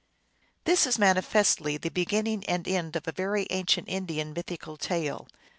This is manifestly the beginning and end of a very ancient Indian mythical tale.